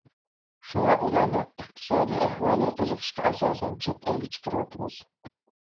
شۇڭا ئۇلارنىڭ ئىقتىسادىي ئەھۋالى، قىزىقىشىغا ئاساسەن چەت ئەلگە چىقىرىۋاتىمىز.